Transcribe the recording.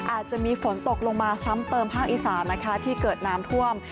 อาจจะมีฝนตกลงมาซ้ำเติมภาคอีสานนะคะที่เกิดน้ำท่วม